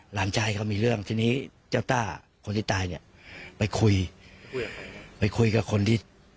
หลานชายเขามีเรื่องทีนี้เจ้าต้าคนที่ตายเนี่ยไปคุยไปคุยกับคนที่